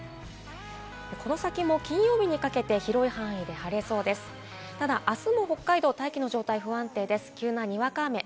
この先も金曜日にかけて広い範囲で晴れそうです。